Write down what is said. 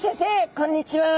こんにちは。